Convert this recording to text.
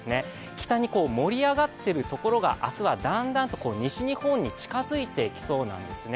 北に盛り上がってるところが明日はだんだんと西日本に近づいてきそうなんですね。